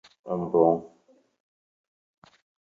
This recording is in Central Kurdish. من دەڵێم: نا هەر ئێستە وەختە!